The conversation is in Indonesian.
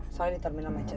soalnya ini terminal macet